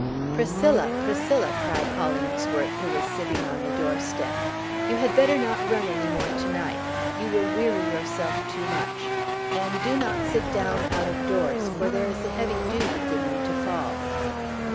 "Priscilla, Priscilla!" cried Hollingsworth, who was sitting on the doorstep; "you had better not run any more to night. You will weary yourself too much. And do not sit down out of doors, for there is a heavy dew beginning to fall."